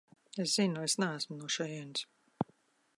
Es zinu, es neesmu no šejienes.